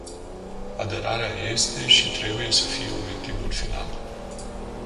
Aderarea este și trebuie să fie obiectivul final.